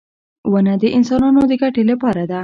• ونه د انسانانو د ګټې لپاره ده.